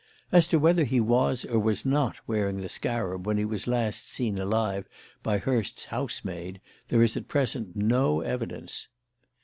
As to whether he was or was not wearing the scarab when he was last seen alive by Hurst's housemaid, there is at present no evidence.